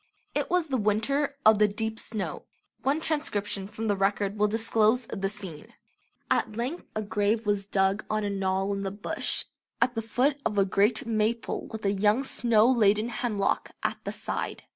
It was "the winter of the deep snow". One transcription from the record will disclose the scene: At length a grave was dug on a knoll in the bush at the foot of a great maple with a young snow laden hemlock at the side.